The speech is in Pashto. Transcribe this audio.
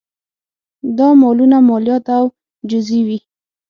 دا مالونه مالیات او جزیې وې